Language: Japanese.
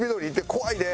怖いで？